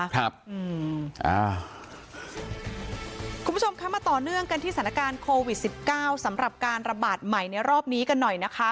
คุณผู้ชมคะมาต่อเนื่องกันที่สถานการณ์โควิด๑๙สำหรับการระบาดใหม่ในรอบนี้กันหน่อยนะคะ